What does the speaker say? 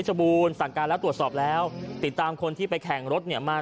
บูรณสั่งการแล้วตรวจสอบแล้วติดตามคนที่ไปแข่งรถเนี่ยมา